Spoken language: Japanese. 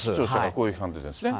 こういう批判出てるんですね。